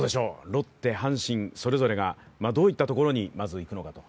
ロッテ、阪神、それぞれがどういったところにまずいくのかと。